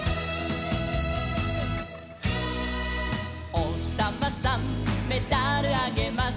「おひさまさんメダルあげます」